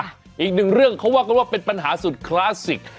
อีกหนึ่งเรื่องเขาว่ากันว่าเป็นปัญหาสุดคลาสสิก